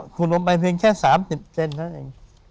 กุลลุมบายเพลงแค่๓๐เซนครับเอง